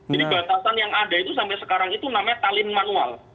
jadi batasan yang ada itu sampai sekarang itu namanya talim manual